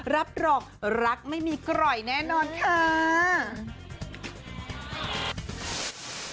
รับรองรักไม่มีกร่อยแน่นอนค่ะ